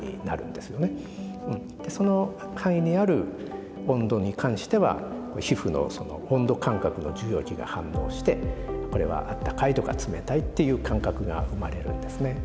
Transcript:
その範囲にある温度に関しては皮膚の温度感覚の受容器が反応してこれはあったかいとか冷たいっていう感覚が生まれるんですね。